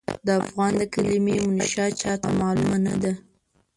د افغان د کلمې منشا چاته معلومه نه ده.